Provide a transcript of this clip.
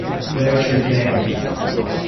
Wheelchair Games.